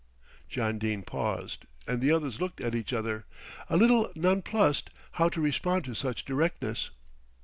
John Dene paused, and the others looked at each other, a little nonplussed how to respond to such directness.